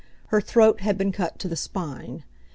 Her throat had been cut to the spine.